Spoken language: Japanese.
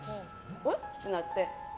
あれ？ってなって。